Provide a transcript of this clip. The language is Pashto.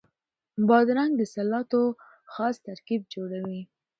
بادرنګ د سلاتو خاص ترکیب جوړوي.